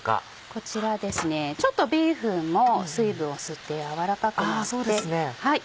こちらですねちょっとビーフンも水分を吸って軟らかくなって。